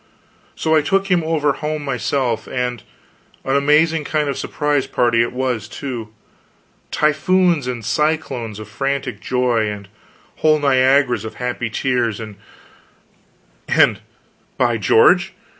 So I took him over home myself; and an amazing kind of a surprise party it was, too typhoons and cyclones of frantic joy, and whole Niagaras of happy tears; and by George!